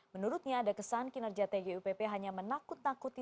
menurutnya ada kesan kinerja tgupp hanya menakut nakuti